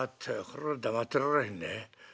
こら黙ってられへんで。